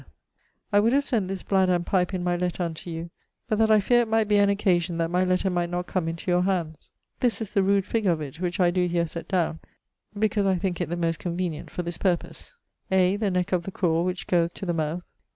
'I would have sent this bladder and pipe in my letter unto you but that I feare it might be an occasion that my letter might not come into your hands. This is the rude figure of it which I do here set down because I thinke it the most convenient for this purpose: 'a = the necke of the craw which goeth to the mouth.